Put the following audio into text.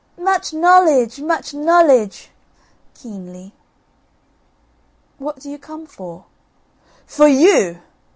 "Much knowledge, much knowledge" (keenly). "What do you come for?" "FOR YOU!"